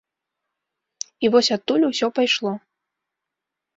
І вось адтуль усё пайшло.